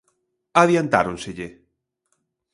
Adiantáronselle.